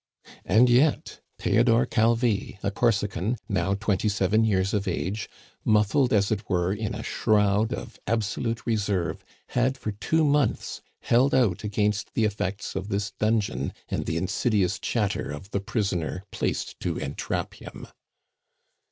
And yet Theodore Calvi, a Corsican, now twenty seven years of age, muffled, as it were, in a shroud of absolute reserve, had for two months held out against the effects of this dungeon and the insidious chatter of the prisoner placed to entrap him.